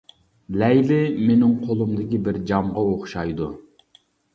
لەيلى مېنىڭ قولۇمدىكى بىر جامغا ئوخشايدۇ.